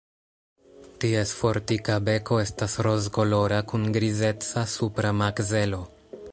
Ties fortika beko estas rozkolora kun grizeca supra makzelo.